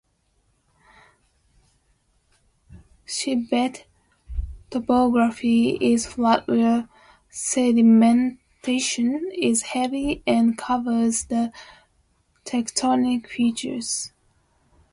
Seabed topography is flat where sedimentation is heavy and covers the tectonic features.